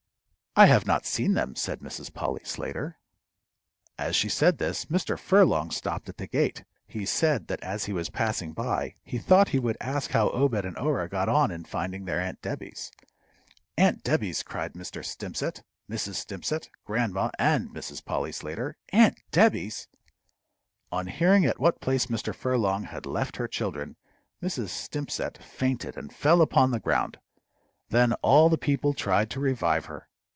"I have not seen them," said Mrs. Polly Slater. As she said this, Mr. Furlong stopped at the gate. He said that as he was passing by he thought he would ask how Obed and Orah got on in finding their aunt Debby's. "Aunt Debby's!" cried Mr. Stimpcett, Mrs. Stimpcett, grandma, and Mrs. Polly Slater "Aunt Debby's!" On hearing at what place Mr. Furlong had left her children, Mrs. Stimpcett fainted and fell upon the ground. Then all the people tried to revive her.